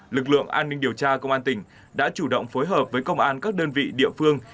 lực lượng an ninh điều tra công an tỉnh đã chủ động phối hợp với công an các đơn vị địa phương